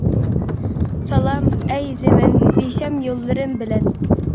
سالام، ئەي زېمىن، بىشەم يوللىرىم بىلەن.